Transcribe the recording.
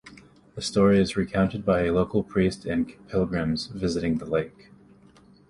The story is recounted by a local priest and pilgrims visiting the lake.